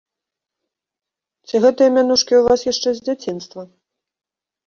Ці гэтыя мянушкі ў вас яшчэ з дзяцінства?